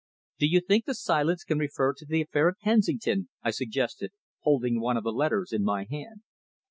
"Do you think the silence can refer to the affair at Kensington?" I suggested, holding one of the letters in my hand.